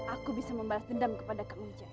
aku bisa membalas dendam kepada kak wijaya